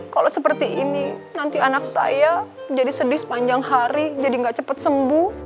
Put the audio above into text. kalau seperti ini nanti anak saya jadi sedih sepanjang hari jadi gak cepet sembuh